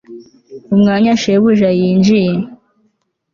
umwanya shebuja yinjiye